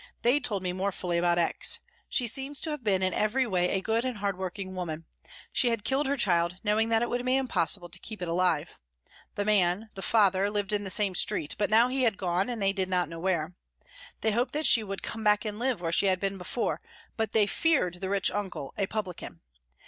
They told me more fully about X. She seems to have been in every way a good and hard working woman. She had killed her child, knowing that it would be impossible to keep it alive. The man, the father, lived in the same street, but now he had gone, they did not know where. They hoped that she would come back and live where she had been before, but they feared the rich uncle, a publican.